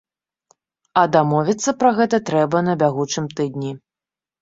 А дамовіцца пра гэта трэба на бягучым тыдні.